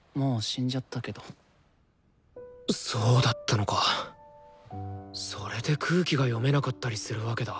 そうだったのかそれで空気が読めなかったりするわけだ。